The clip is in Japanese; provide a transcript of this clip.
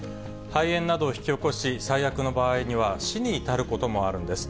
肺炎などを引き起こし、最悪の場合には死に至ることもあるんです。